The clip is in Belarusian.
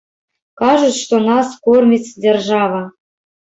Кажуць, што нас корміць дзяржава.